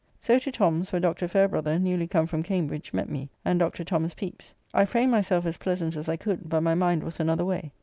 So to Tom's, where Dr. Fairebrother, newly come from Cambridge, met me, and Dr. Thomas Pepys. I framed myself as pleasant as I could, but my mind was another way.